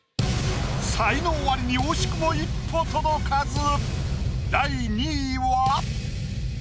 才能アリに惜しくも一歩届かず。